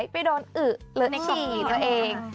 ไปโดนอึเหลือขี่ตัวเอง